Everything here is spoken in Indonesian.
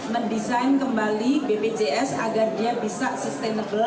mendesain kembali bpjs agar dia bisa sustainable